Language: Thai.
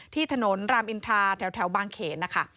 ที่ถนนรามอินทราแถวบางเขนนะคะ